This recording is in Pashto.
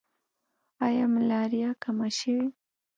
آیا ملاریا کمه شوې؟